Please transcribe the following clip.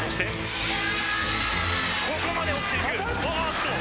ここまで追っていく。